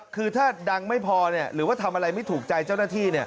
คือถ้าดังไม่พอหรือว่าทำอะไรไม่ถูกใจเจ้าหน้าที่